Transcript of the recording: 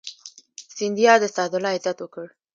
سیندیا د سعد الله عزت وکړ.